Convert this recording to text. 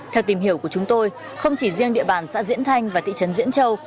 theo tìm hiểu của chúng tôi không chỉ riêng địa bàn xã diễn thanh và thị trấn diễn châu